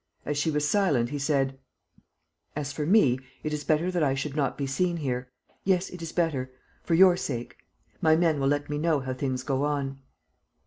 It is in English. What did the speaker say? As she was silent, he said: "As for me, it is better that I should not be seen here. ... Yes, it is better ... for your sake. My men will let me know how things go on.